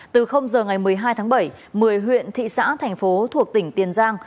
từ giờ ngày một mươi hai tháng bảy một mươi huyện thị xã thành phố thuộc tỉnh tiền giang